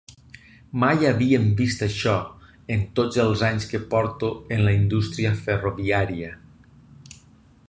Mai havíem vist això en tots els anys que porto en la indústria ferroviària.